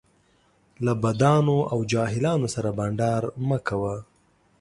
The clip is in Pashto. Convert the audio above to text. له بدانو او جاهلو سره بنډار مه کوه